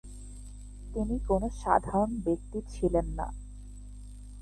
তিনি কোন সাধারণ ব্যক্তি ছিলেন না।